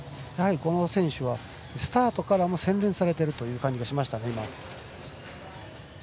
この選手、スタートから洗練されているという感じがしました。